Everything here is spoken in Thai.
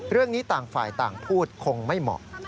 เรื่องนี้ต่างฝ่ายต่างพูดคงไม่เหมาะ